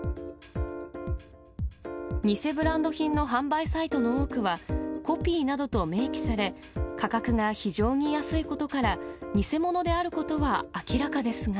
偽ブランド品の販売サイトの多くは、コピーなどと明記され、価格が非常に安いことから、偽物であることは明らかですが。